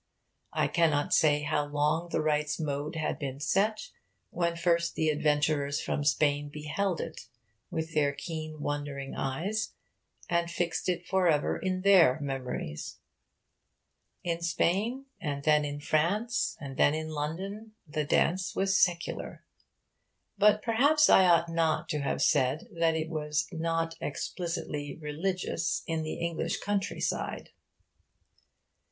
I cannot say how long the rite's mode had been set when first the adventurers from Spain beheld it with their keen wondering eyes and fixed it for ever in their memories. In Spain, and then in France, and then in London, the dance was secular. But perhaps I ought not to have said that it was 'not explicitly religious' in the English countryside.